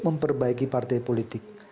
memperbaiki partai politik